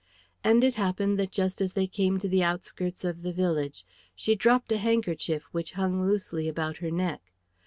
And it happened that just as they came to the outskirts of the village, she dropped a handkerchief which hung loosely about her neck.